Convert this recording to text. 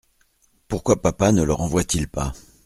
Pourquoi papa ne le renvoie-t-il pas ?